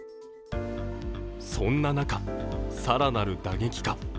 そんな中、更なる打撃か。